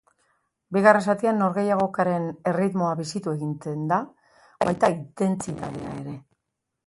Bigarren zatian norgehiagokaren erritmoa bizitu egin da, baita intentsitatea ere.